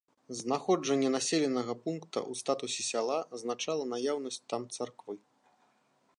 Знаходжанне населенага пункта ў статусе сяла азначала наяўнасць там царквы.